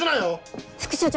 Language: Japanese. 副署長。